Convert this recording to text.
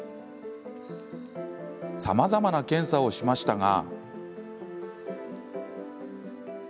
さまざまな検査をしましたが。